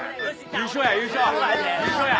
優勝や。